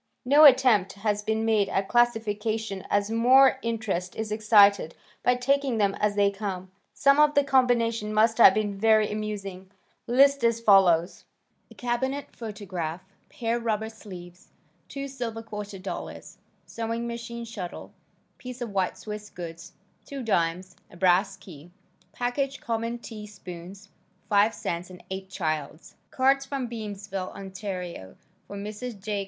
No attempt has been made at classification as more interest is excited by taking them as they come. Some of the combination must have been very amusing. List is as follows: A cabinet photograph, pair rubber sleeves, 2 silver quarter dollars, sewing machine shuttle, piece of white swiss goods, 2 dimes, a brass key, package common tea spoons, 5 cents and 8 childs' cards from Beamsville, Ont., for Mrs. J.